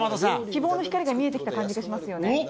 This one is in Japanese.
希望の光が見えてきた感じがしますよね。